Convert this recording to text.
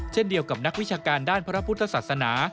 เช่นเดียวกับนักวิชาการด้านพระพุทธศาสนา